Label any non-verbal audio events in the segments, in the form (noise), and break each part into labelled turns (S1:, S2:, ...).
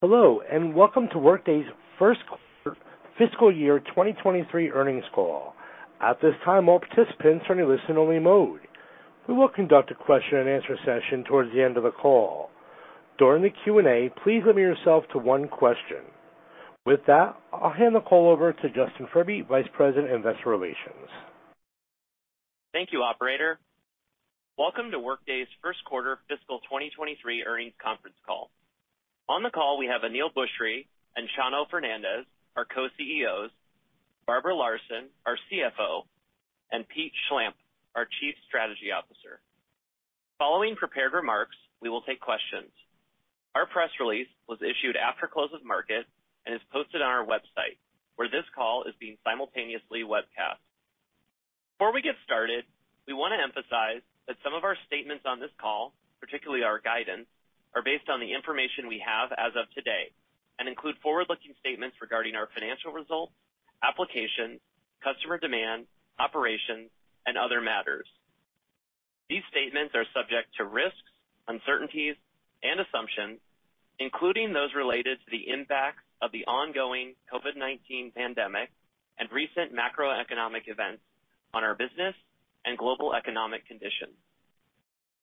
S1: Hello, and welcome to Workday's first quarter fiscal year 2023 earnings call. At this time, all participants are in a listen-only mode. We will conduct a question and answer session towards the end of the call. During the Q&A, please limit yourself to one question. With that, I'll hand the call over to Justin Furby, Vice President, Investor Relations.
S2: Thank you, operator. Welcome to Workday's first quarter fiscal 2023 earnings conference call. On the call, we have Aneel Bhusri, Chano Fernandez, our co-CEOs, Barbara Larson, our CFO, and Pete Schlampp, our Chief Strategy Officer. Following prepared remarks, we will take questions. Our press release was issued after close of market and is posted on our website, where this call is being simultaneously webcast. Before we get started, we want to emphasize that some of our statements on this call, particularly our guidance, are based on the information we have as of today and include forward-looking statements regarding our financial results, applications, customer demand, operations, and other matters. These statements are subject to risks, uncertainties and assumptions, including those related to the impacts of the ongoing COVID-19 pandemic and recent macroeconomic events on our business and global economic conditions.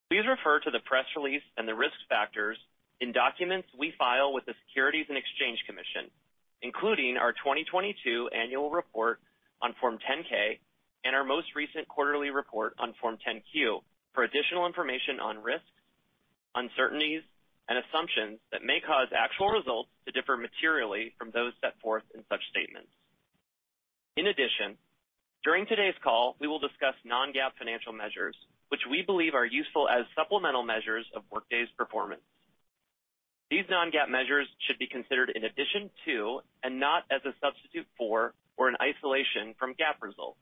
S2: Please refer to the press release and the risk factors in documents we file with the Securities and Exchange Commission, including our 2022 annual report on Form 10-K and our most recent quarterly report on Form 10-Q for additional information on risks, uncertainties and assumptions that may cause actual results to differ materially from those set forth in such statements. In addition, during today's call, we will discuss non-GAAP financial measures, which we believe are useful as supplemental measures of Workday's performance. These non-GAAP measures should be considered in addition to and not as a substitute for or in isolation from GAAP results.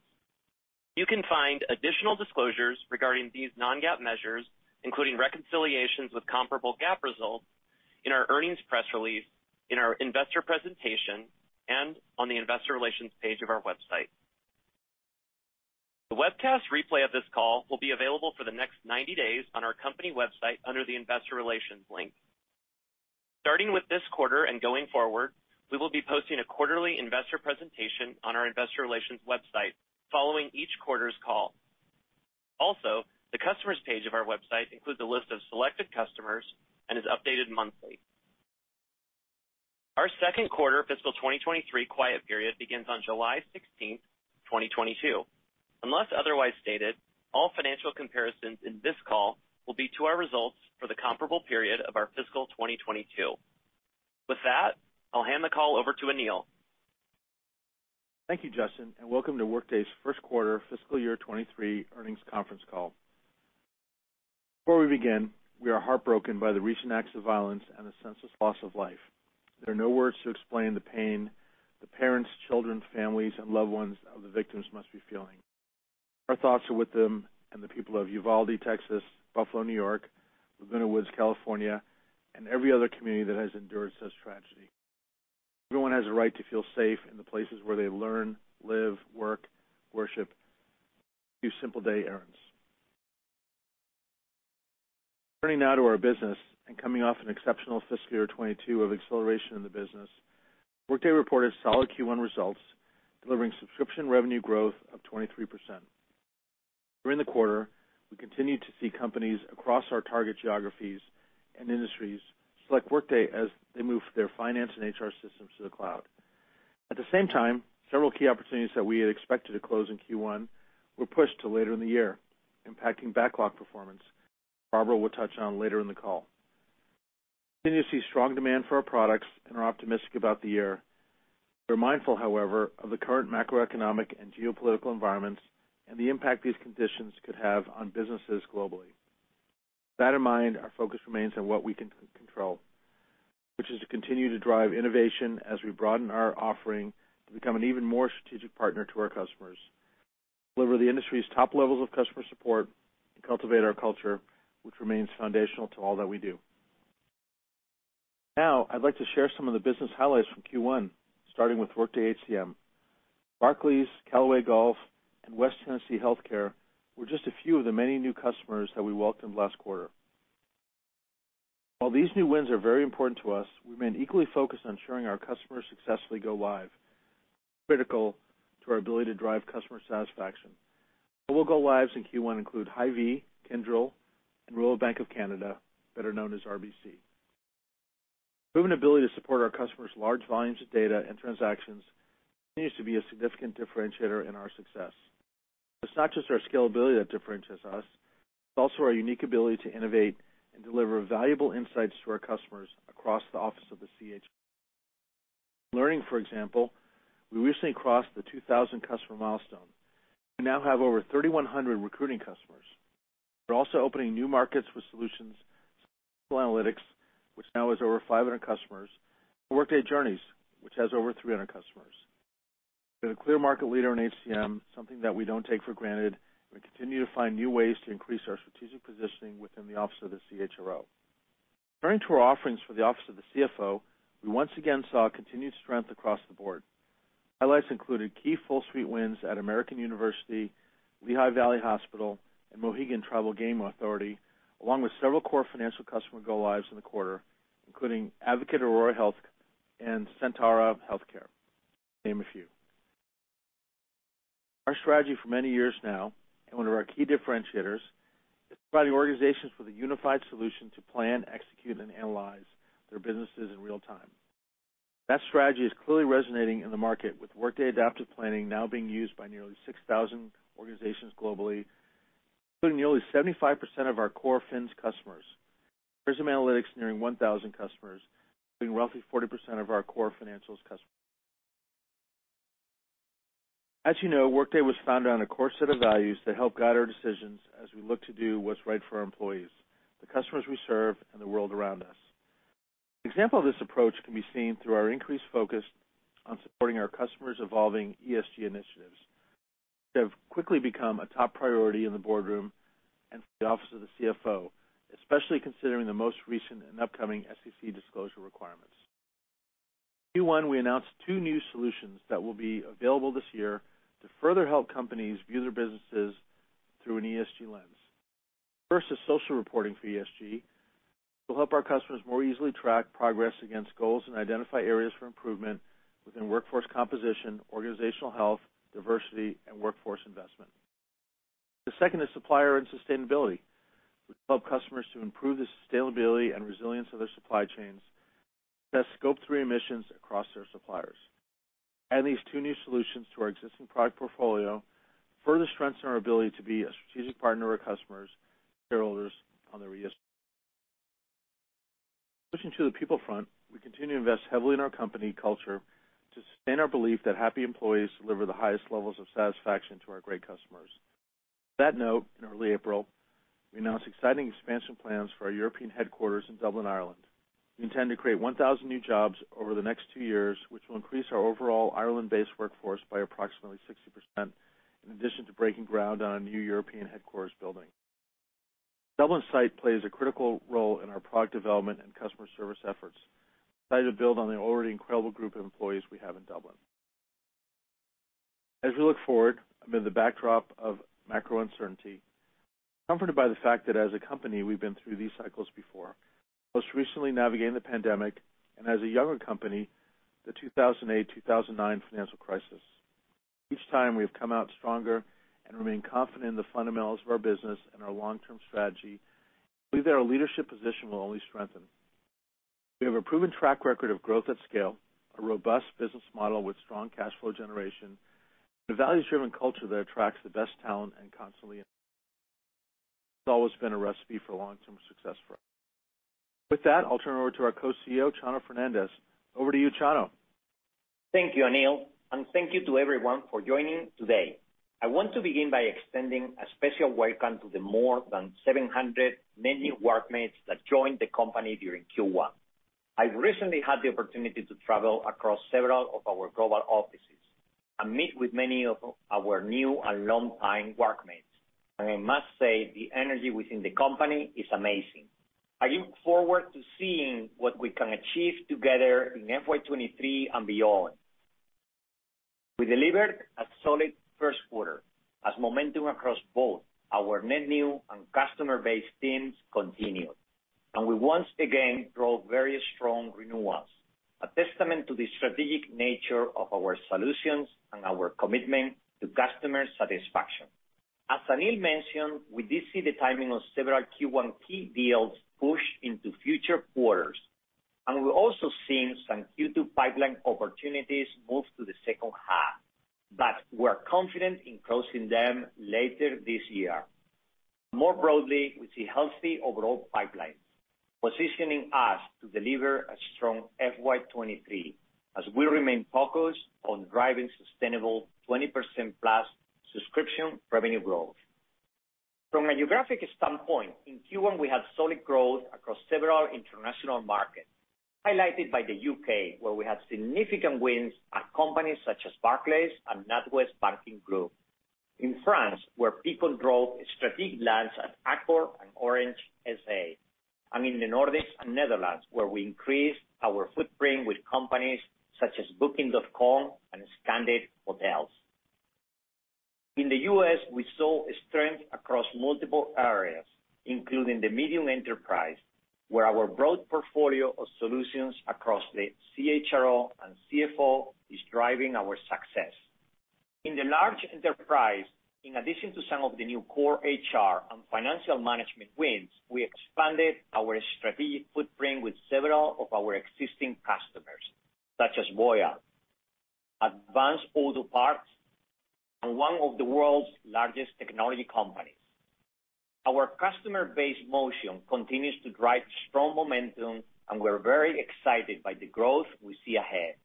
S2: You can find additional disclosures regarding these non-GAAP measures, including reconciliations with comparable GAAP results in our earnings press release, in our investor presentation, and on the investor relations page of our website. The webcast replay of this call will be available for the next 90 days on our company website under the Investor Relations link. Starting with this quarter and going forward, we will be posting a quarterly investor presentation on our investor relations website following each quarter's call. Also, the customers' page of our website includes a list of selected customers and is updated monthly. Our second quarter fiscal 2023 quiet period begins on July 16th, 2022. Unless otherwise stated, all financial comparisons in this call will be to our results for the comparable period of our fiscal 2022. With that, I'll hand the call over to Aneel.
S3: Thank you, Justin, and welcome to Workday's first quarter fiscal year 2023 earnings conference call. Before we begin, we are heartbroken by the recent acts of violence and the senseless loss of life. There are no words to explain the pain the parents, children, families, and loved ones of the victims must be feeling. Our thoughts are with them and the people of Uvalde Texas, Buffalo New York, Laguna Woods California, and every other community that has endured such tragedy. Everyone has a right to feel safe in the places where they learn, live, work, worship, do simple day errands. Turning now to our business and coming off an exceptional fiscal year 2022 of acceleration in the business, Workday reported solid Q1 results, delivering subscription revenue growth of 23%. During the quarter, we continued to see companies across our target geographies and industries select Workday as they move their finance and HR systems to the cloud. At the same time, several key opportunities that we had expected to close in Q1 were pushed to later in the year, impacting backlog performance. Barbara will touch on later in the call. We continue to see strong demand for our products and are optimistic about the year. We're mindful, however, of the current macroeconomic and geopolitical environments and the impact these conditions could have on businesses globally. With that in mind, our focus remains on what we can control, which is to continue to drive innovation as we broaden our offering to become an even more strategic partner to our customers, deliver the industry's top levels of customer support, and cultivate our culture, which remains foundational to all that we do. Now, I'd like to share some of the business highlights from Q1, starting with Workday HCM. Barclays, Callaway Golf, and West Tennessee Healthcare were just a few of the many new customers that we welcomed last quarter. While these new wins are very important to us, we remain equally focused on ensuring our customers successfully go live, critical to our ability to drive customer satisfaction. Global go lives in Q1 include Hy-Vee, Kyndryl, and Royal Bank of Canada, better known as RBC. Proven ability to support our customers' large volumes of data and transactions continues to be a significant differentiator in our success. It's not just our scalability that differentiates us, it's also our unique ability to innovate and deliver valuable insights to our customers across the office of the CHRO. Learning, for example, we recently crossed the 2,000 customer milestone. We now have over 3,100 recruiting customers. We're also opening new markets with solutions like People Analytics, which now has over 500 customers, and Workday Journeys, which has over 300 customers. We're the clear market leader in HCM, something that we don't take for granted, and we continue to find new ways to increase our strategic positioning within the office of the CHRO. Turning to our offerings for the office of the CFO, we once again saw continued strength across the board. Highlights included key full suite wins at American University, Lehigh Valley Hospital, and Mohegan Tribal Gaming Authority, along with several core financial customer go lives in the quarter, including Advocate Aurora Health and Sentara Healthcare, to name a few. Our strategy for many years now, and one of our key differentiators, is providing organizations with a unified solution to plan, execute, and analyze their businesses in real time. That strategy is clearly resonating in the market with Workday Adaptive Planning now being used by nearly 6,000 organizations globally, including nearly 75% of our core financials customers, Prism Analytics nearing 1,000 customers, including roughly 40% of our core financials customers. As you know, Workday was founded on a core set of values that help guide our decisions as we look to do what's right for our employees, the customers we serve, and the world around us. Example of this approach can be seen through our increased focus on supporting our customers' evolving ESG initiatives. They have quickly become a top priority in the boardroom and for the office of the CFO, especially considering the most recent and upcoming SEC disclosure requirements. In Q1, we announced two new solutions that will be available this year to further help companies view their businesses through an ESG lens. First is social reporting for ESG to help our customers more easily track progress against goals and identify areas for improvement within workforce composition, organizational health, diversity, and workforce investment. The second is supplier and sustainability, which help customers to improve the sustainability and resilience of their supply chains, test Scope 3 emissions across their suppliers. Adding these two new solutions to our existing product portfolio further strengthen our ability to be a strategic partner with customers, shareholders on their ESG. Switching to the people front, we continue to invest heavily in our company culture to sustain our belief that happy employees deliver the highest levels of satisfaction to our great customers. On that note, in early April, we announced exciting expansion plans for our European headquarters in Dublin Ireland. We intend to create 1,000 new jobs over the next two years, which will increase our overall Ireland-based workforce by approximately 60%, in addition to breaking ground on a new European headquarters building. Dublin site plays a critical role in our product development and customer service efforts. Decided to build on the already incredible group of employees we have in Dublin. As we look forward amid the backdrop of macro uncertainty, comforted by the fact that as a company, we've been through these cycles before, most recently navigating the pandemic and as a younger company, the 2008, 2009 financial crisis. Each time we have come out stronger and remain confident in the fundamentals of our business and our long-term strategy. Believe that our leadership position will only strengthen. We have a proven track record of growth at scale, a robust business model with strong cash flow generation, and a values-driven culture that attracts the best talent and constantly innovate. It's always been a recipe for long-term success for us. With that, I'll turn it over to our co-CEO, Chano Fernandez. Over to you, Chano.
S4: Thank you, Aneel, and thank you to everyone for joining today. I want to begin by extending a special welcome to the more than 700 net new Workmates that joined the company during Q1. I've recently had the opportunity to travel across several of our global offices and meet with many of our new and longtime Workmates. I must say, the energy within the company is amazing. I look forward to seeing what we can achieve together in FY 2023 and beyond. We delivered a solid first quarter as momentum across both our net new and customer-based teams continued, and we once again drove very strong renewals, a testament to the strategic nature of our solutions and our commitment to customer satisfaction. As Aneel mentioned, we did see the timing of several Q1 key deals push into future quarters, and we're also seeing some Q2 pipeline opportunities move to the second half, but we're confident in closing them later this year. More broadly, we see healthy overall pipelines, positioning us to deliver a strong FY 2023 as we remain focused on driving sustainable 20%+ subscription revenue growth. From a geographic standpoint, in Q1, we had solid growth across several international markets, highlighted by the U.K., where we had significant wins at companies such as Barclays and NatWest Group. In France, where people drove strategic lands at Accor and Orange S.A. In the Nordics and Netherlands, where we increased our footprint with companies such as Booking.com and Scandic Hotels. In the US, we saw strength across multiple areas, including the medium enterprise, where our broad portfolio of solutions across the CHRO and CFO is driving our success. In the large enterprise, in addition to some of the new core HR and financial management wins, we expanded our strategic footprint with several of our existing customers, such as Royal Bank of Canada, Advance Auto Parts, and one of the world's largest technology companies. Our customer base motion continues to drive strong momentum, and we're very excited by the growth we see ahead.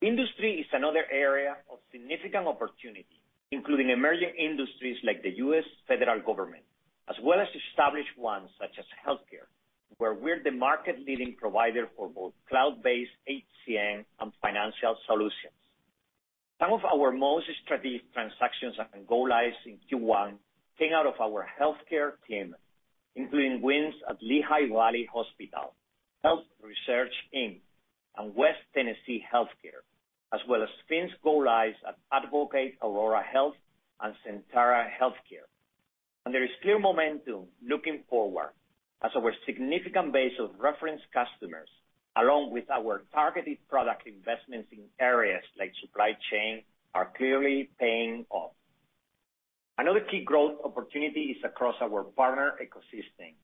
S4: Industry is another area of significant opportunity, including emerging industries like the U.S. federal government, as well as established ones such as healthcare, where we're the market leading provider for both cloud-based HCM and financial solutions. Some of our most strategic transactions and go-lives in Q1 came out of our healthcare team, including wins at Lehigh Valley Hospital, Health Research Inc, and West Tennessee Healthcare, as well as wins, go-lives at Advocate Aurora Health and Sentara Healthcare. There is clear momentum looking forward as our significant base of reference customers, along with our targeted product investments in areas like supply chain, are clearly paying off. Another key growth opportunity is across our partner ecosystem,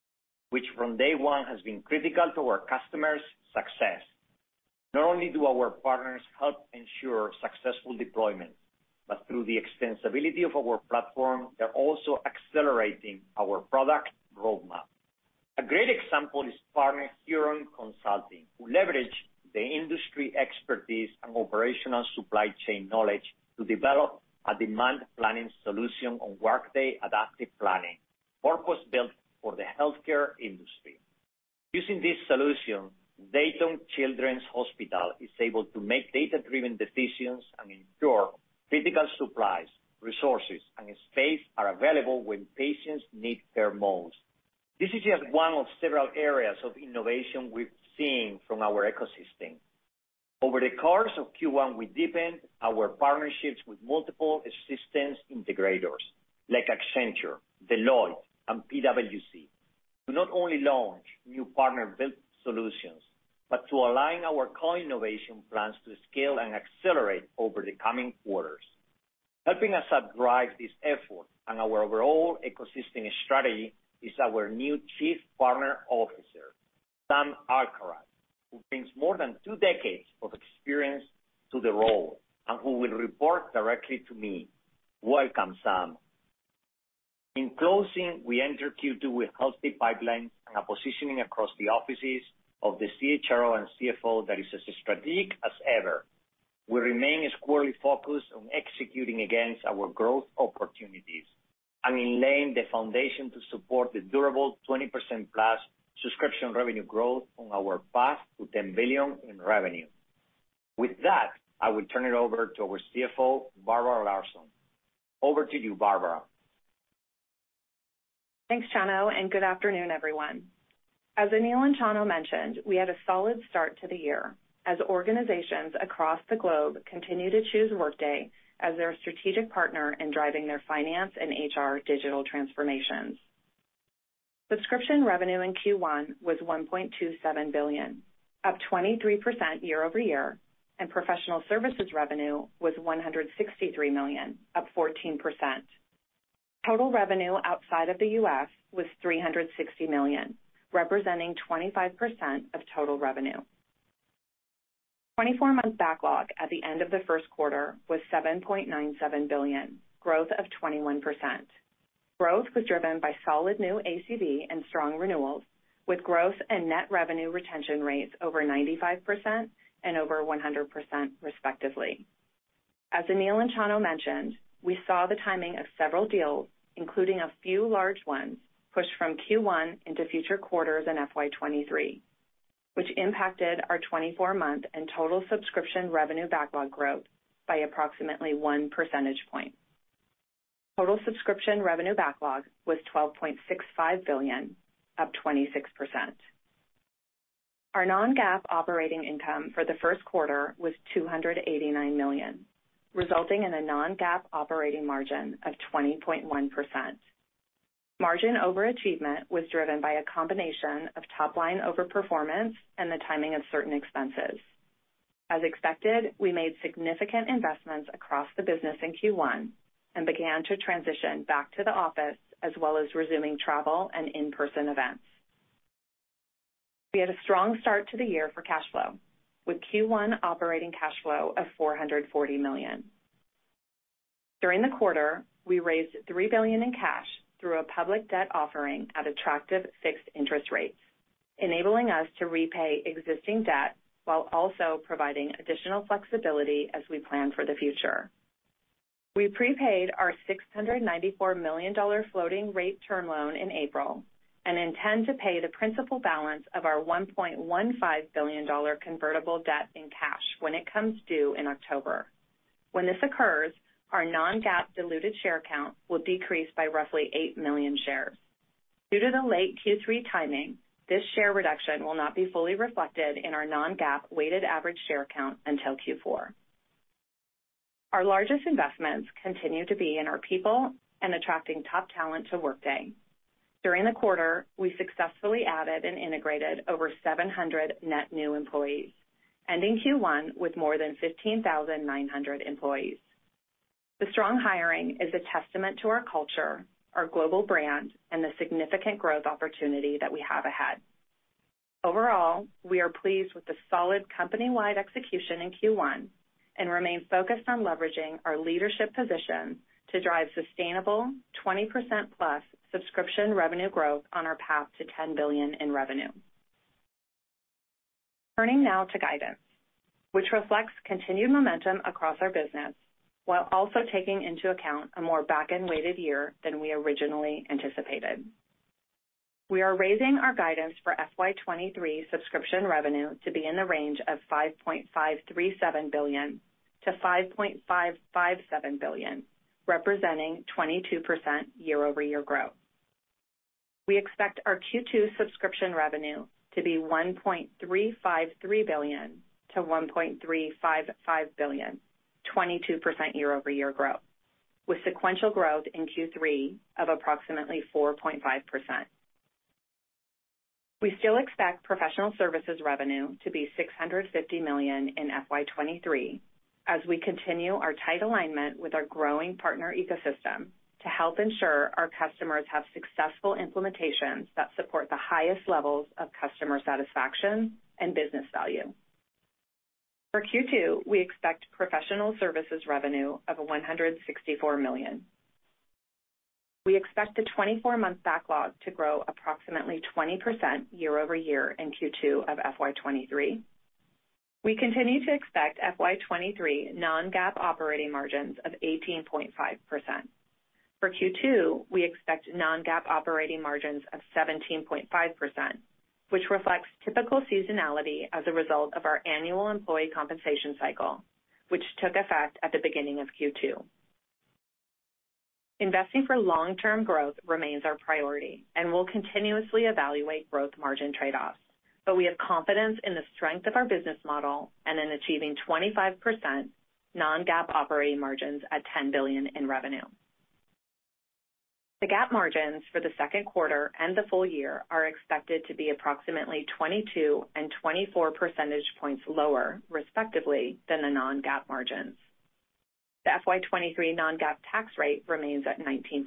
S4: which from day one has been critical to our customers' success. Not only do our partners help ensure successful deployments, but through the extensibility of our platform, they're also accelerating our product roadmap. A great example is partner Huron Consulting, who leverage the industry expertise and operational supply chain knowledge to develop a demand planning solution on Workday Adaptive Planning, purpose-built for the healthcare industry. Using this solution, Dayton Children's Hospital is able to make data-driven decisions and ensure critical supplies, resources, and space are available when patients need them most. This is just one of several areas of innovation we've seen from our ecosystem. Over the course of Q1, we deepened our partnerships with multiple systems integrators like Accenture, Deloitte, and PwC to not only launch new partner-built solutions, but to align our co-innovation plans to scale and accelerate over the coming quarters. Helping us drive this effort and our overall ecosystem strategy is our new Chief Partner Officer, Sam Alkharrat, who brings more than two decades of experience to the role and who will report directly to me. Welcome, Sam. In closing, we enter Q2 with healthy pipelines and a positioning across the offices of the CHRO and CFO that is as strategic as ever. We remain squarely focused on executing against our growth opportunities and in laying the foundation to support the durable 20%+ subscription revenue growth on our path to $10 billion in revenue. With that, I will turn it over to our CFO, Barbara Larson. Over to you, Barbara.
S5: Thanks, Chano, and good afternoon, everyone. As Aneel and Chano mentioned, we had a solid start to the year as organizations across the globe continue to choose Workday as their strategic partner in driving their finance and HR digital transformations. Subscription revenue in Q1 was $1.27 billion, up 23% year-over-year, and professional services revenue was $163 million, up 14%. Total revenue outside of the U.S. was $360 million, representing 25% of total revenue. 24-month backlog at the end of the first quarter was $7.97 billion, growth of 21%. Growth was driven by solid new ACV and strong renewals, with growth and net revenue retention rates over 95% and over 100%, respectively. As Aneel and Chano mentioned, we saw the timing of several deals, including a few large ones, pushed from Q1 into future quarters in FY23, which impacted our 24-month and total subscription revenue backlog growth by approximately one percentage point. Total subscription revenue backlog was $12.65 billion, up 26%. Our non-GAAP operating income for the first quarter was $289 million, resulting in a non-GAAP operating margin of 20.1%. Margin overachievement was driven by a combination of top-line overperformance and the timing of certain expenses. As expected, we made significant investments across the business in Q1 and began to transition back to the office, as well as resuming travel and in-person events. We had a strong start to the year for cash flow, with Q1 operating cash flow of $440 million. During the quarter, we raised $3 billion in cash through a public debt offering at attractive fixed interest rates, enabling us to repay existing debt while also providing additional flexibility as we plan for the future. We prepaid our $694 million floating rate term loan in April and intend to pay the principal balance of our $1.15 billion convertible debt in cash when it comes due in October. When this occurs, our non-GAAP diluted share count will decrease by roughly $8 million shares. Due to the late Q3 timing, this share reduction will not be fully reflected in our non-GAAP weighted average share count until Q4. Our largest investments continue to be in our people and attracting top talent to Workday. During the quarter, we successfully added and integrated over 700 net new employees, ending Q1 with more than 15,900 employees. The strong hiring is a testament to our culture, our global brand, and the significant growth opportunity that we have ahead. Overall, we are pleased with the solid company-wide execution in Q1 and remain focused on leveraging our leadership position to drive sustainable 20%+ subscription revenue growth on our path to $10 billion in revenue. Turning now to guidance, which reflects continued momentum across our business, while also taking into account a more back-end-weighted year than we originally anticipated. We are raising our guidance for FY 2023 subscription revenue to be in the range of $5.537 billion-$5.557 billion, representing 22% year-over-year growth. We expect our Q2 subscription revenue to be $1.353 billion-$1.355 billion, 22% year-over-year growth, with sequential growth in Q3 of approximately 4.5%. We still expect professional services revenue to be $650 million in FY 2023 as we continue our tight alignment with our growing partner ecosystem to help ensure our customers have successful implementations that support the highest levels of customer satisfaction and business value. For Q2, we expect professional services revenue of $164 million. We expect the 24-month backlog to grow approximately 20% year-over-year in Q2 of FY 2023. We continue to expect FY 2023 non-GAAP operating margins of 18.5%. For Q2, we expect non-GAAP operating margins of 17.5%, which reflects typical seasonality as a result of our annual employee compensation cycle, which took effect at the beginning of Q2. Investing for long-term growth remains our priority, and we'll continuously evaluate growth margin trade-offs. We have confidence in the strength of our business model and in achieving 25% non-GAAP operating margins at $10 billion in revenue. The GAAP margins for the second quarter and the full year are expected to be approximately 22 and 24 percentage points lower, respectively, than the non-GAAP margins. The FY 2023 non-GAAP tax rate remains at 19%.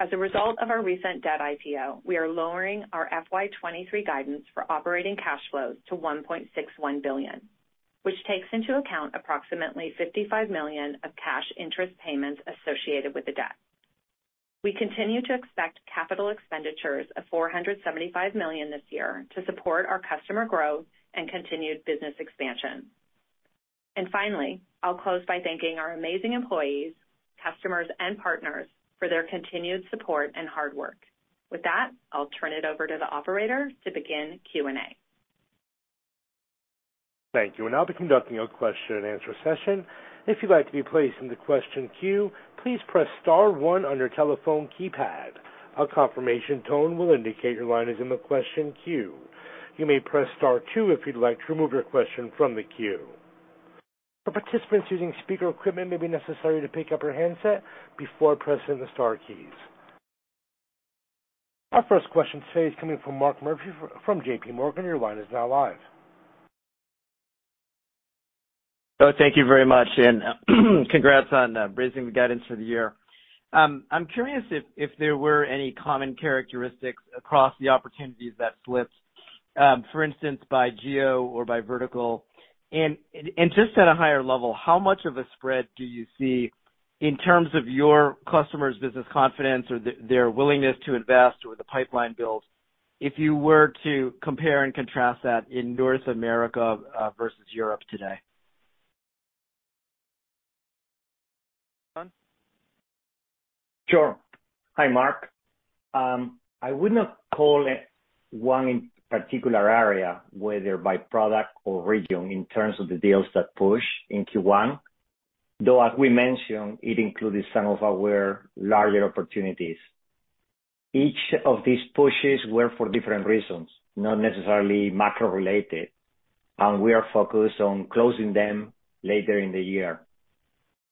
S5: As a result of our recent debt IPO, we are lowering our FY 2023 guidance for operating cash flows to $1.61 billion, which takes into account approximately $55 million of cash interest payments associated with the debt. We continue to expect capital expenditures of $475 million this year to support our customer growth and continued business expansion. Finally, I'll close by thanking our amazing employees, customers, and partners for their continued support and hard work. With that, I'll turn it over to the operator to begin Q&A.
S1: Thank you. I'll be conducting a question and answer session. If you'd like to be placed in the question queue, please press star one on your telephone keypad. A confirmation tone will indicate your line is in the question queue. You may press star two if you'd like to remove your question from the queue. For participants using speaker equipment, it may be necessary to pick up your handset before pressing the star keys. Our first question today is coming from Mark Murphy from JPMorgan. Your line is now live.
S6: Oh, thank you very much, and congrats on raising the guidance for the year. I'm curious if there were any common characteristics across the opportunities that slipped, for instance, by geo or by vertical. Just at a higher level, how much of a spread do you see in terms of your customers' business confidence or their willingness to invest or the pipeline build if you were to compare and contrast that in North America versus Europe today?
S4: Sure. Hi, Mark. I would not call it one particular area, whether by product or region, in terms of the deals that pushed in Q1, though, as we mentioned, it included some of our larger opportunities. Each of these pushes were for different reasons, not necessarily macro-related, and we are focused on closing them later in the year.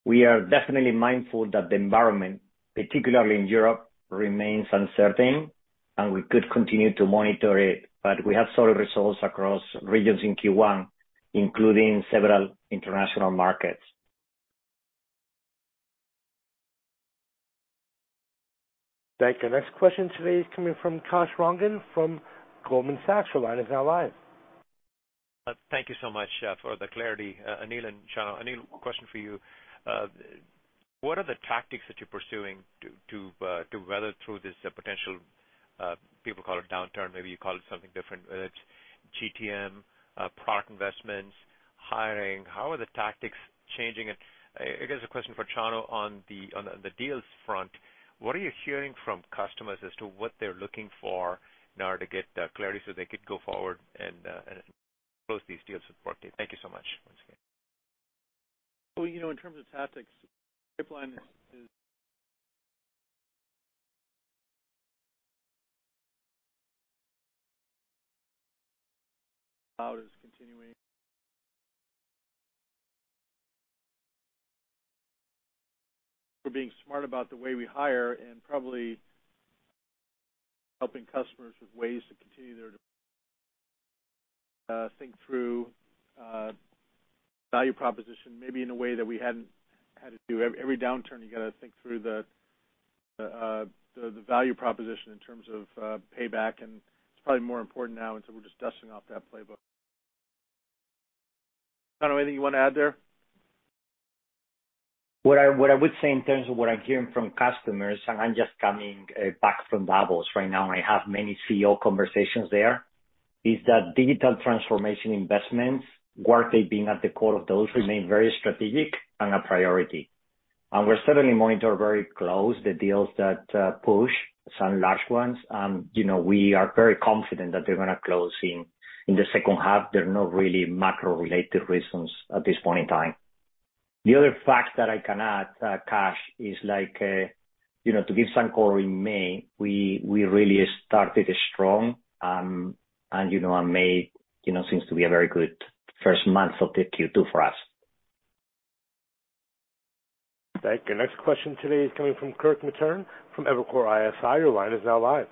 S4: We are definitely mindful that the environment, particularly in Europe, remains uncertain, and we could continue to monitor it, but we have solid results across regions in Q1, including several international markets.
S1: Thank you. Next question today is coming from Kash Rangan from Goldman Sachs. Your line is now live.
S7: Thank you so much for the clarity, Aneel and Chano. Aneel, question for you. What are the tactics that you're pursuing to weather through this potential people call it downturn, maybe you call it something different, whether it's GTM, product investments, hiring. How are the tactics changing? I guess a question for Chano on the deals front, what are you hearing from customers as to what they're looking for in order to get clarity so they could go forward and close these deals with Workday? Thank you so much once again.
S3: Well, you know, in terms of tactics, the plan is (inaudible) continuing. We're being smart about the way we hire and probably helping customers with ways to continue their think through value proposition maybe in a way that we hadn't had to do. Every downturn, you gotta think through the value proposition in terms of payback, and it's probably more important now, and so we're just dusting off that playbook. Chano, anything you wanna add there?
S4: What I would say in terms of what I'm hearing from customers, and I'm just coming back from Davos right now, and I have many CEO conversations there is that digital transformation investments, Workday being at the core of those, remain very strategic and a priority. We're certainly monitoring very closely the deals that push some large ones. You know, we are very confident that they're gonna close in the second half. There are no really macro-related reasons at this point in time. The other fact that I can add, Kash, is like, you know, to give some color in May, we really started strong, and May seems to be a very good first month of the Q2 for us.
S1: Thank you. Next question today is coming from Kirk Materne from Evercore ISI. Your line is now live.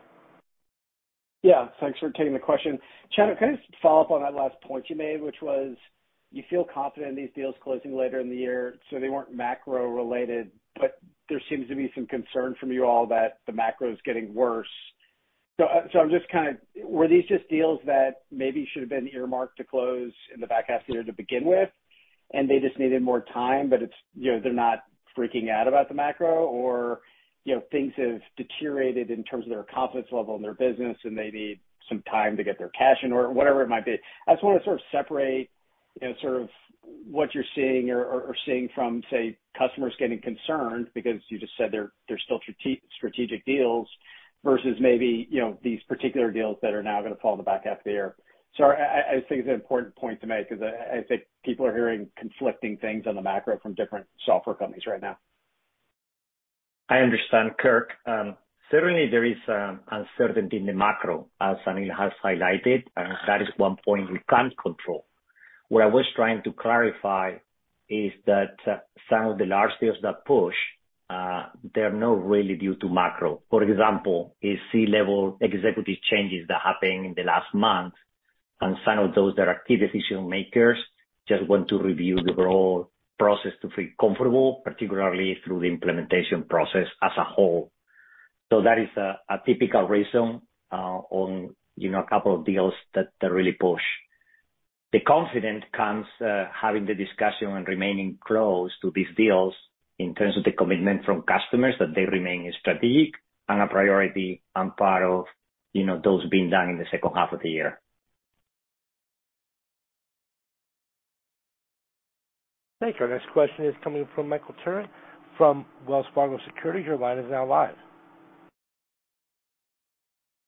S8: Yeah, thanks for taking the question. Chano, can I just follow up on that last point you made, which was you feel confident in these deals closing later in the year, so they weren't macro-related, but there seems to be some concern from you all that the macro is getting worse. Were these just deals that maybe should have been earmarked to close in the back half of the year to begin with, and they just needed more time, but it's, you know, they're not freaking out about the macro? Or, you know, things have deteriorated in terms of their confidence level in their business, and they need some time to get their cash in or whatever it might be. I just wanna sort of separate, you know, sort of what you're seeing or seeing from, say, customers getting concerned because you just said they're still strategic deals versus maybe, you know, these particular deals that are now gonna fall in the back half of the year. I just think it's an important point to make 'cause I think people are hearing conflicting things on the macro from different software companies right now.
S4: I understand, Kirk. Certainly there is uncertainty in the macro, as Aneel has highlighted, and that is one point we can't control. What I was trying to clarify is that some of the large deals that push, they're not really due to macro. For example, is C-level executive changes that happened in the last month, and some of those that are key decision makers just want to review the overall process to feel comfortable, particularly through the implementation process as a whole. That is a typical reason on, you know, a couple of deals that really push. The confidence comes having the discussion and remaining close to these deals in terms of the commitment from customers that they remain strategic and a priority and part of, you know, those being done in the second half of the year.
S1: Thank you. Our next question is coming from Michael Turrin from Wells Fargo Securities. Your line is now live.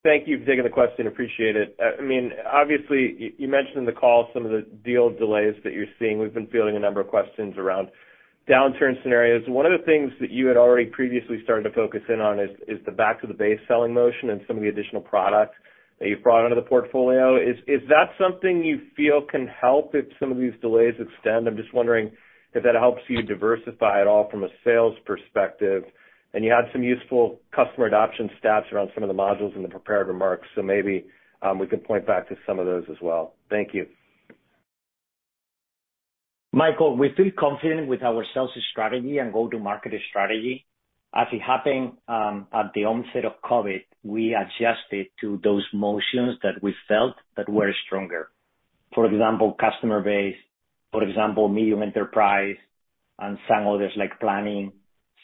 S9: Thank you for taking the question. Appreciate it. I mean, obviously you mentioned in the call some of the deal delays that you're seeing. We've been fielding a number of questions around downturn scenarios. One of the things that you had already previously started to focus in on is the back to the base selling motion and some of the additional products that you've brought into the portfolio. Is that something you feel can help if some of these delays extend? I'm just wondering if that helps you diversify at all from a sales perspective. You had some useful customer adoption stats around some of the modules in the prepared remarks, so maybe we could point back to some of those as well. Thank you.
S4: Michael, we feel confident with our sales strategy and go-to-market strategy. As it happened, at the onset of COVID, we adjusted to those motions that we felt that were stronger. For example, customer base, for example, medium enterprise and some others like planning.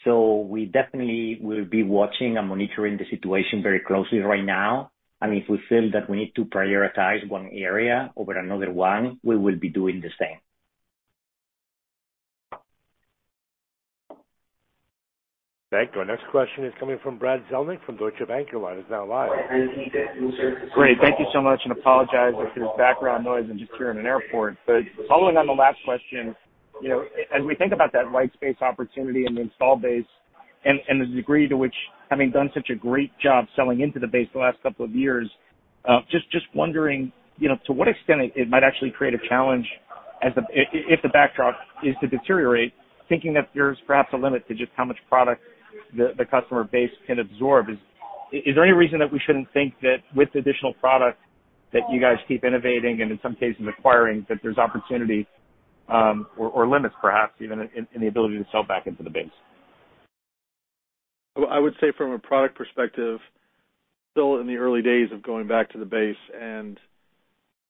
S4: We definitely will be watching and monitoring the situation very closely right now. If we feel that we need to prioritize one area over another one, we will be doing the same.
S1: Thank you. Our next question is coming from Brad Zelnick from Deutsche Bank. Your line is now live.
S10: Great. Thank you so much, and apologize if there's background noise. I'm just here in an airport. Following on the last question, you know, as we think about that white space opportunity and the installed base and the degree to which having done such a great job selling into the base the last couple of years, just wondering, you know, to what extent it might actually create a challenge as the backdrop is to deteriorate, thinking that there's perhaps a limit to just how much product the customer base can absorb. Is there any reason that we shouldn't think that with additional product that you guys keep innovating and in some cases acquiring that there's opportunity, or limits perhaps even in the ability to sell back into the base?
S3: I would say from a product perspective, still in the early days of going back to the base, and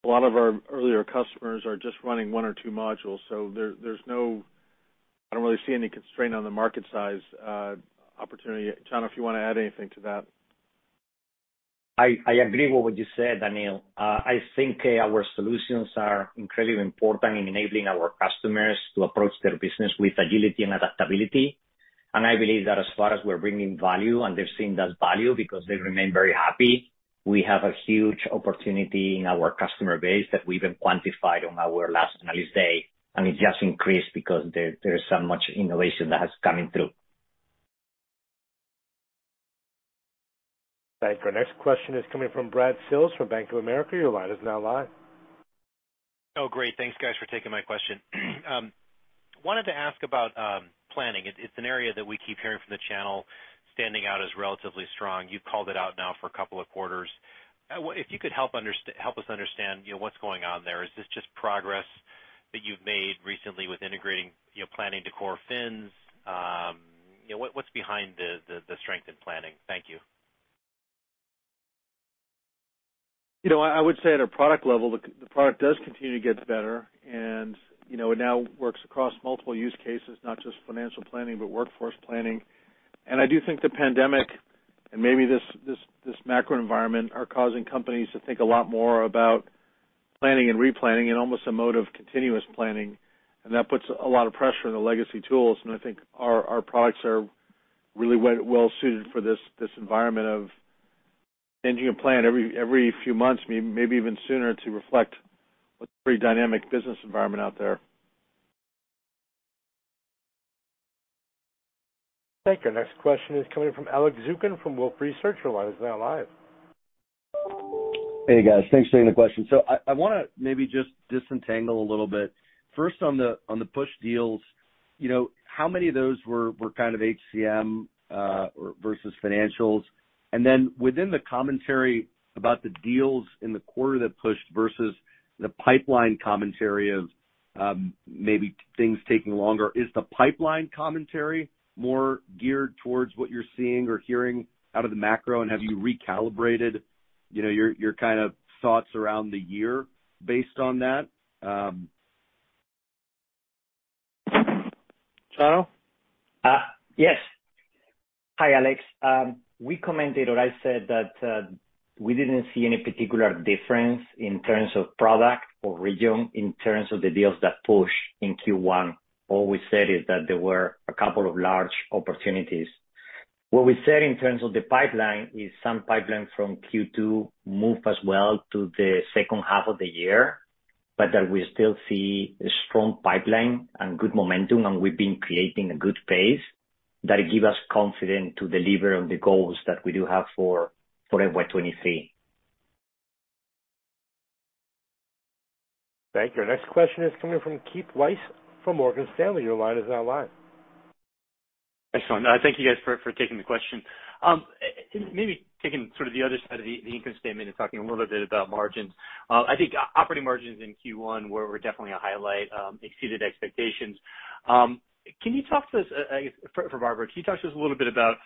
S3: a lot of our earlier customers are just running one or two modules. There's no, I don't really see any constraint on the market size, opportunity. Chano, if you wanna add anything to that.
S4: I agree with what you said, Aneel. I think our solutions are incredibly important in enabling our customers to approach their business with agility and adaptability. I believe that as far as we're bringing value, and they're seeing that value because they remain very happy, we have a huge opportunity in our customer base that we even quantified on our last analyst day, and it just increased because there is so much innovation that's coming through.
S1: Thank you. Our next question is coming from Brad Sills from Bank of America. Your line is now live.
S11: Oh, great. Thanks, guys, for taking my question. Wanted to ask about planning. It's an area that we keep hearing from the channel standing out as relatively strong. You've called it out now for a couple of quarters. If you could help us understand, you know, what's going on there. Is this just progress that you've made recently with integrating, you know, planning to core finance? You know, what's behind the strength in planning? Thank you.
S3: You know, I would say at a product level, the product does continue to get better and, you know, it now works across multiple use cases, not just financial planning, but workforce planning. I do think the pandemic and maybe this macro environment are causing companies to think a lot more about planning and replanning in almost a mode of continuous planning. That puts a lot of pressure on the legacy tools, and I think our products are really well suited for this environment of changing a plan every few months, maybe even sooner, to reflect what's a pretty dynamic business environment out there.
S1: Thank you. Next question is coming from Alex Zukin from Wolfe Research. Your line is now live.
S12: Hey, guys. Thanks for taking the question. I wanna maybe just disentangle a little bit. First, on the push deals, you know, how many of those were kind of HCM versus financials? Within the commentary about the deals in the quarter that pushed versus the pipeline commentary of maybe things taking longer, is the pipeline commentary more geared towards what you're seeing or hearing out of the macro? Have you recalibrated, you know, your kind of thoughts around the year based on that?
S3: Chano?
S4: Yes. Hi, Alex. We commented or I said that we didn't see any particular difference in terms of product or region in terms of the deals that pushed in Q1. All we said is that there were a couple of large opportunities. What we said in terms of the pipeline is some pipeline from Q2 moved as well to the second half of the year, but that we still see a strong pipeline and good momentum, and we've been creating a good pace that give us confident to deliver on the goals that we do have for FY 2023.
S1: Thank you. Our next question is coming from Keith Weiss from Morgan Stanley. Your line is now live.
S13: Thanks, Sean. Thank you guys for taking the question. Maybe taking sort of the other side of the income statement and talking a little bit about margins. I think operating margins in Q1 were definitely a highlight, exceeded expectations. Can you talk to us, I guess for Barbara, can you talk to us a little bit about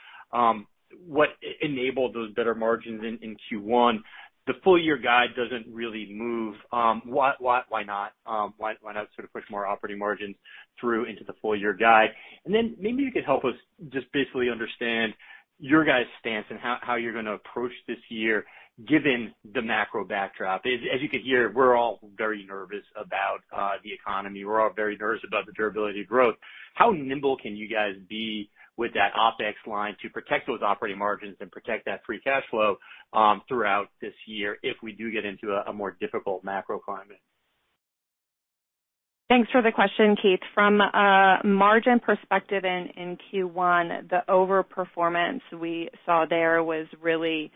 S13: what enabled those better margins in Q1? The full year guide doesn't really move. Why not? Why not sort of push more operating margins through into the full year guide? Then maybe you could help us just basically understand your guys' stance and how you're gonna approach this year given the macro backdrop. As you can hear, we're all very nervous about the economy. We're all very nervous about the durability of growth. How nimble can you guys be with that OPEX line to protect those operating margins and protect that free cash flow, throughout this year if we do get into a more difficult macro climate?
S5: Thanks for the question, Keith. From a margin perspective in Q1, the overperformance we saw there was really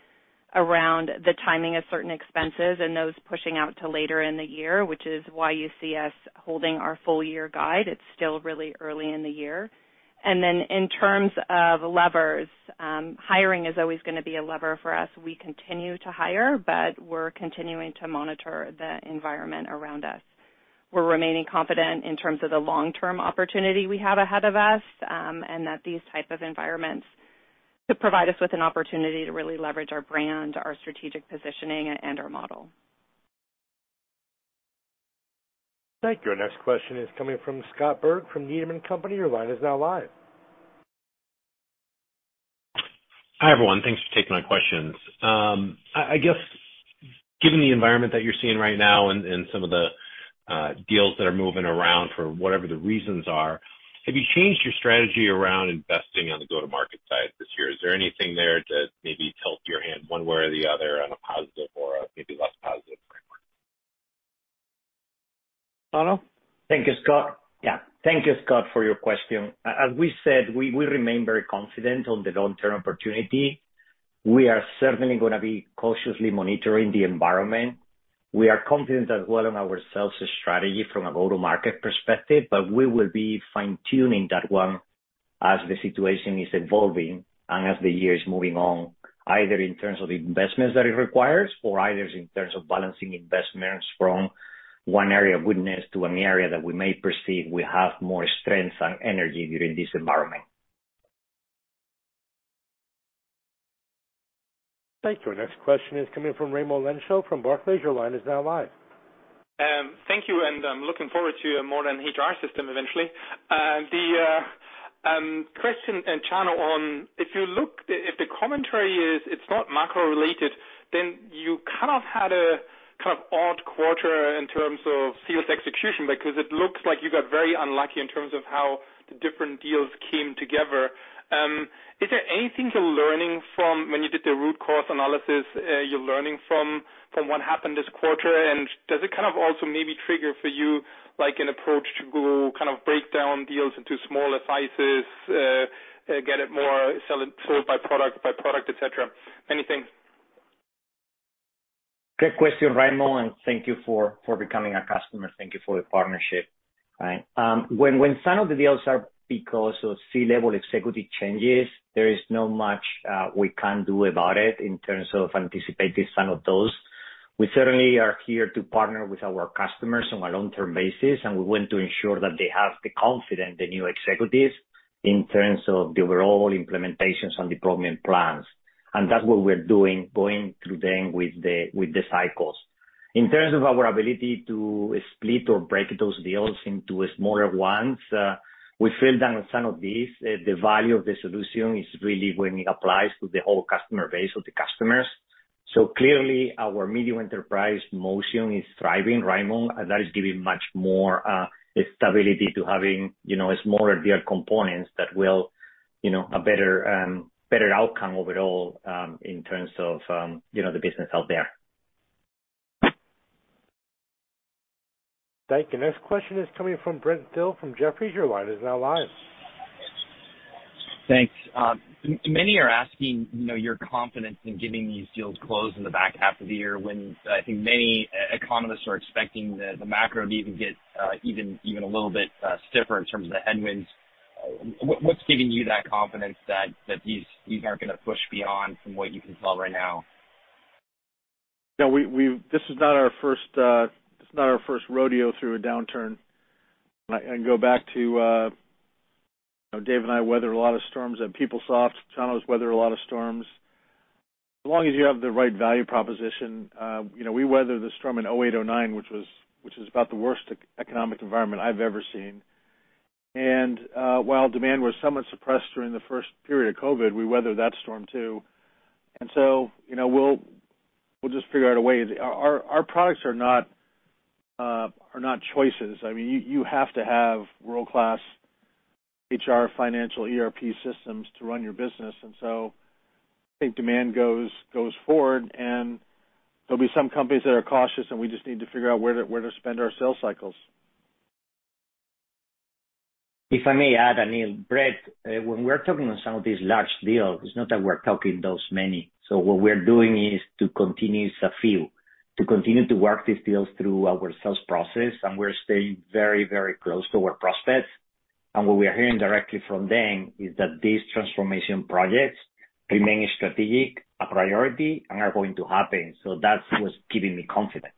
S5: around the timing of certain expenses and those pushing out to later in the year, which is why you see us holding our full year guide. It's still really early in the year. In terms of levers, hiring is always gonna be a lever for us. We continue to hire, but we're continuing to monitor the environment around us. We're remaining confident in terms of the long-term opportunity we have ahead of us, and that these type of environments could provide us with an opportunity to really leverage our brand, our strategic positioning, and our model.
S1: Thank you. Our next question is coming from Scott Berg from Needham & Company. Your line is now live.
S14: Hi, everyone. Thanks for taking my questions. I guess given the environment that you're seeing right now and some of the deals that are moving around for whatever the reasons are, have you changed your strategy around investing on the go-to-market side this year? Is there anything there to maybe tilt your hand one way or the other on a positive or a maybe less positive framework?
S3: Chano?
S4: Thank you, Scott. Yeah. Thank you, Scott, for your question. As we said, we remain very confident on the long-term opportunity. We are certainly gonna be cautiously monitoring the environment. We are confident as well in our sales strategy from a go-to-market perspective, but we will be fine-tuning that one as the situation is evolving and as the year is moving on, either in terms of investments that it requires or either in terms of balancing investments from one area of goodness to an area that we may perceive we have more strengths and energy during this environment.
S1: Thank you. Our next question is coming from Raimo Lenschow from Barclays. Your line is now live.
S15: Thank you, and I'm looking forward to more than HR system eventually. The question to Chano on if you look, if the commentary is it's not macro-related, then you kind of had a kind of odd quarter in terms of sales execution, because it looks like you got very unlucky in terms of how the different deals came together. Is there anything you're learning from when you did the root cause analysis, you're learning from what happened this quarter? Does it kind of also maybe trigger for you like an approach to go kind of break down deals into smaller sizes, get it more sell it sort by product, by product, et cetera? Anything?
S4: Great question, Raimo, and thank you for becoming a customer. Thank you for the partnership. Right. When some of the deals are because of C-level executive changes, there is not much we can do about it in terms of anticipating some of those. We certainly are here to partner with our customers on a long-term basis, and we want to ensure that they have the confidence, the new executives, in terms of the overall implementations on deployment plans. That's what we're doing, going through them with the cycles. In terms of our ability to split or break those deals into smaller ones, we feel that in some of these, the value of the solution is really when it applies to the whole customer base of the customers. Clearly, our medium enterprise motion is thriving, Raimo, and that is giving much more stability to having, you know, smaller deal components that will, you know, a better outcome overall, in terms of, you know, the business out there.
S1: Thank you. Next question is coming from Brent Thill from Jefferies. Your line is now live.
S16: Thanks. Many are asking, you know, your confidence in getting these deals closed in the back half of the year when I think many economists are expecting the macro to even get even a little bit stiffer in terms of the headwinds. What's giving you that confidence that these are gonna push beyond from what you can tell right now?
S3: This is not our first rodeo through a downturn. I go back to, you know, Dave and I weathered a lot of storms at PeopleSoft. Chano's weathered a lot of storms. As long as you have the right value proposition, you know, we weathered the storm in 2008, 2009, which was about the worst economic environment I've ever seen. While demand was somewhat suppressed during the first period of COVID, we weathered that storm, too. You know, we'll just figure out a way. Our products are not choices. I mean, you have to have world-class HR financial ERP systems to run your business. I think demand goes forward, and there'll be some companies that are cautious, and we just need to figure out where to spend our sales cycles.
S4: If I may add, Aneel. Brent, when we're talking on some of these large deals, it's not that we're talking those many. What we're doing is to continue to fill, to continue to work these deals through our sales process, and we're staying very, very close to our prospects. What we are hearing directly from them is that these transformation projects remain strategic, a priority, and are going to happen. That's what's keeping me confident.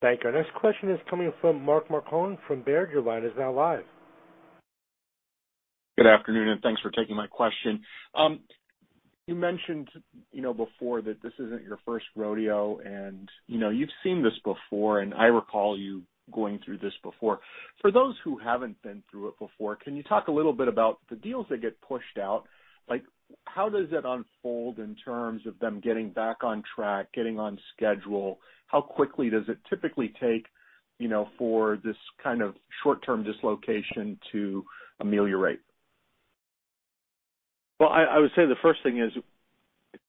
S1: Thank you. Our next question is coming from Mark Marcon from Baird. Your line is now live.
S17: Good afternoon, and thanks for taking my question. You mentioned, you know, before that this isn't your first rodeo and, you know, you've seen this before, and I recall you going through this before. For those who haven't been through it before, can you talk a little bit about the deals that get pushed out? Like, how does it unfold in terms of them getting back on track, getting on schedule? How quickly does it typically take, you know, for this kind of short-term dislocation to ameliorate?
S3: I would say the first thing is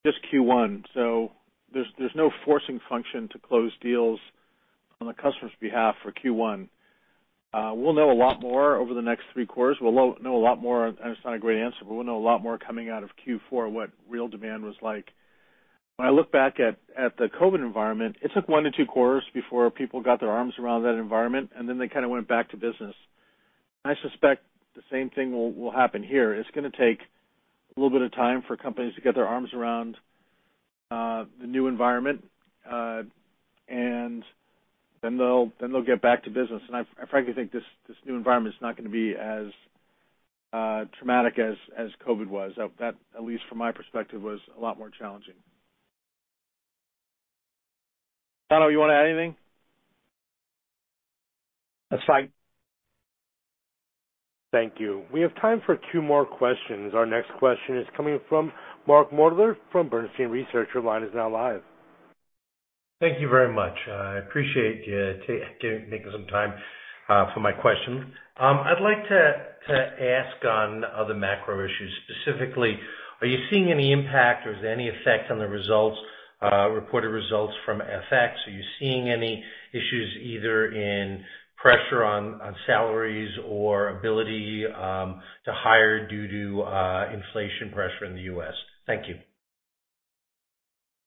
S3: it's Q1, so there's no forcing function to close deals on the customer's behalf for Q1. We'll know a lot more over the next three quarters. We'll know a lot more, and it's not a great answer, but we'll know a lot more coming out of Q4 what real demand was like. When I look back at the COVID environment, it took one to two quarters before people got their arms around that environment, and then they kinda went back to business. I suspect the same thing will happen here. It's gonna take a little bit of time for companies to get their arms around the new environment, and then they'll get back to business. I frankly think this new environment is not gonna be as traumatic as COVID was. That at least from my perspective was a lot more challenging. Chano, you wanna add anything?
S4: That's right.
S1: Thank you. We have time for two more questions. Our next question is coming from Mark Moerdler from Bernstein Research. Your line is now live.
S18: Thank you very much. I appreciate you taking some time for my question. I'd like to ask on other macro issues. Specifically, are you seeing any impact or is there any effect on the results, reported results from FX? Are you seeing any issues either in pressure on salaries or ability to hire due to inflation pressure in the U.S.? Thank you.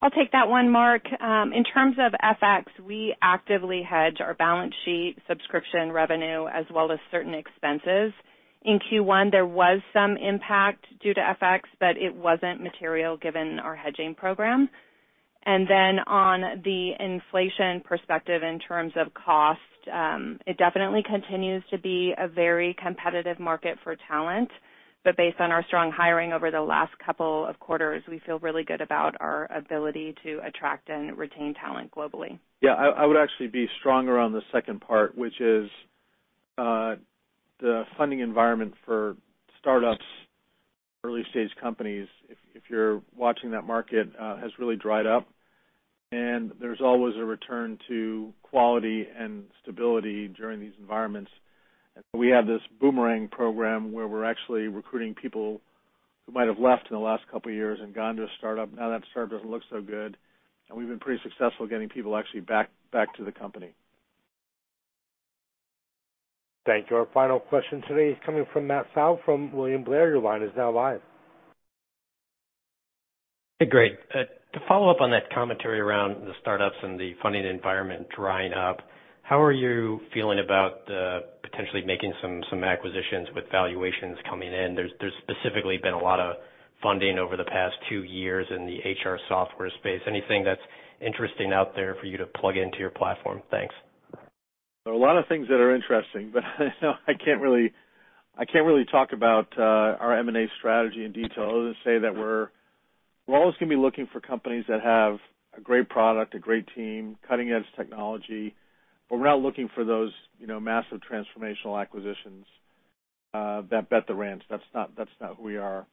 S5: I'll take that one, Mark. In terms of FX, we actively hedge our balance sheet subscription revenue as well as certain expenses. In Q1, there was some impact due to FX, but it wasn't material given our hedging program. On the inflation perspective in terms of cost, it definitely continues to be a very competitive market for talent. Based on our strong hiring over the last couple of quarters, we feel really good about our ability to attract and retain talent globally.
S3: Yeah, I would actually be stronger on the second part, which is the funding environment for startups, early-stage companies. If you're watching that market, it has really dried up. There's always a return to quality and stability during these environments. We have this boomerang program where we're actually recruiting people who might have left in the last couple of years and gone to a startup. Now that startup doesn't look so good, and we've been pretty successful getting people actually back to the company.
S1: Thank you. Our final question today is coming from Matt Pfau from William Blair. Your line is now live.
S19: Hey, great. To follow up on that commentary around the startups and the funding environment drying up, how are you feeling about potentially making some acquisitions with valuations coming in? There's specifically been a lot of funding over the past two years in the HR software space. Anything that's interesting out there for you to plug into your platform? Thanks.
S3: There are a lot of things that are interesting, but I can't really talk about our M&A strategy in detail other than say that we're always gonna be looking for companies that have a great product, a great team, cutting-edge technology. We're not looking for those, you know, massive transformational acquisitions that bet the ranch. That's not who we are.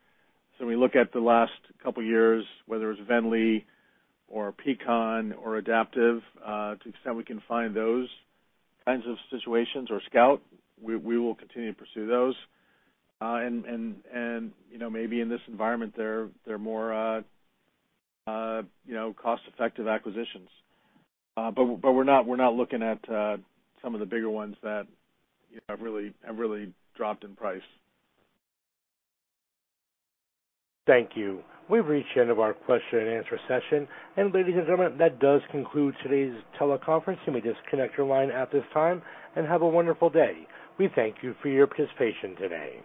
S3: When we look at the last couple years, whether it's VNDLY or Peakon or Adaptive, to the extent we can find those kinds of situations or Scout, we will continue to pursue those. You know, maybe in this environment, they're more cost-effective acquisitions. We're not looking at some of the bigger ones that, you know, have really dropped in price.
S1: Thank you. We've reached the end of our question and answer session. Ladies and gentlemen, that does conclude today's teleconference. You may disconnect your line at this time, and have a wonderful day. We thank you for your participation today.